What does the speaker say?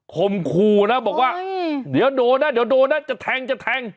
คมคู่นะบอกว่าเดี๋ยวโดนนะเดี๋ยวโดนนะจะแทงจะแทง